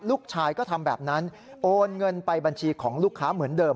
ลูกชายก็ทำแบบนั้นโอนเงินไปบัญชีของลูกค้าเหมือนเดิม